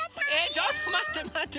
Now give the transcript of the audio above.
ちょっとまってまって。